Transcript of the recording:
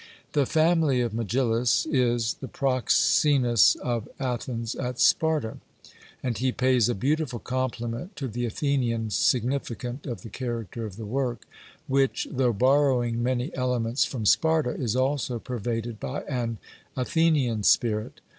The family of Megillus is the proxenus of Athens at Sparta; and he pays a beautiful compliment to the Athenian, significant of the character of the work, which, though borrowing many elements from Sparta, is also pervaded by an Athenian spirit.